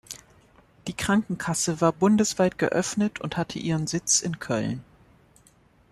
Die Krankenkasse war bundesweit geöffnet und hatte ihren Sitz in Köln.